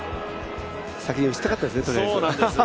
先に打ちたかったですね、とりあえず。